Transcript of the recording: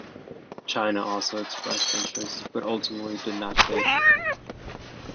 China also expressed interest, but ultimately did not bid.